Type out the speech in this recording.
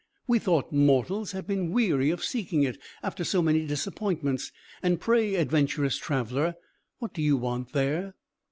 "We thought mortals had been weary of seeking it, after so many disappointments. And pray, adventurous traveller, what do you want there?"